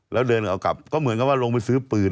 แล้วเดินเอากลับก็เหมือนกับว่าลงไปซื้อปืน